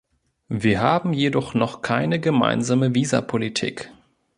Wir haben jedoch noch keine gemeinsame Visapolitik.